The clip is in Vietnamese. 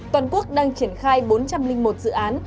toàn quốc đang triển khai bốn trăm linh một dự án